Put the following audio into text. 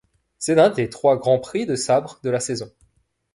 C'est un des trois Grand Prix de sabre de la saison.